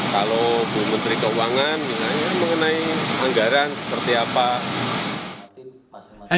kalau bu menteri keuangan misalnya mengenai anggaran seperti apa